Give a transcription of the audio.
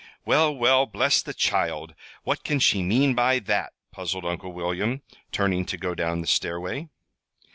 "Well, well, bless the child! What can she mean by that?" puzzled Uncle William, turning to go down the stairway.